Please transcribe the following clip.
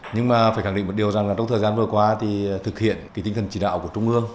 nhưng mà phải khẳng định một điều rằng là trong thời gian vừa qua thì thực hiện cái tinh thần chỉ đạo của trung ương